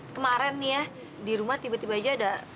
kemaren nih ya di rumah tiba tiba aja ada